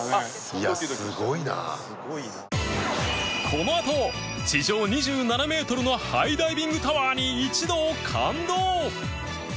このあと地上２７メートルのハイダイビングタワーに一同感動！